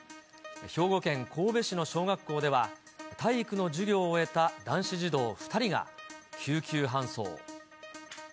兵庫県神戸市の小学校では、体育の授業を終えた男子児童２人が救急搬送。